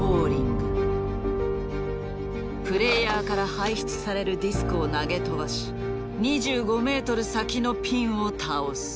プレーヤーから排出されるディスクを投げ飛ばし２５メートル先のピンを倒す。